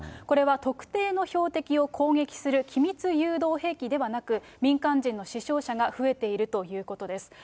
これは特定の標的を攻撃する機密誘導兵器ではなく、民間人の死傷者が増えているということです。